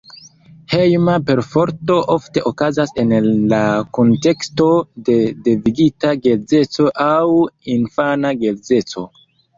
Hejma perforto ofte okazas en la kunteksto de devigita geedzeco aŭ infana geedzeco.